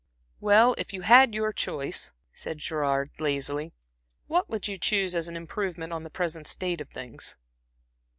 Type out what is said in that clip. "Well, if you had your choice," said Gerard, lazily, "what would you choose as an improvement on the present state of things?"